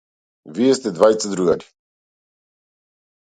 Вие сте двајца другари.